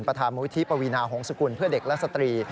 ประธานมูลิธิปวีนาหงษกุลเพื่อเด็กและสตรี